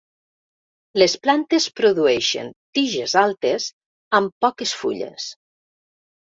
Les plantes produeixen tiges altes amb poques fulles.